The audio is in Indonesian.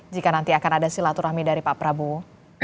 jika nanti akan ada silaturahmi dari pak prabowo